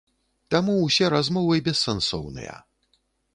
Таму ўсе размовы бессэнсоўныя.